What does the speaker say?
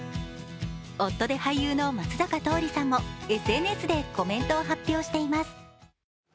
夫で俳優の松坂桃李さんもＳＮＳでコメントを発表しています。